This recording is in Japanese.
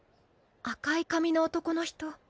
赤い髪の男の人。